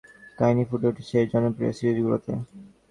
তিনি নিজেই এবং তার জীবনের কাহিনী ফুটে উঠেছে এই জনপ্রিয় সিরিজগুলোতে।